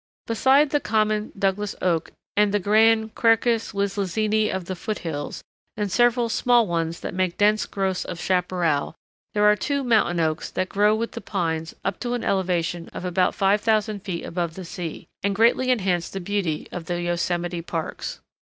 ] Besides the common Douglas Oak and the grand Quercus Wislizeni of the foot hills, and several small ones that make dense growths of chaparral, there are two mountain oaks that grow with the pines up to an elevation of about 5000 feet above the sea, and greatly enhance the beauty of the yosemite parks.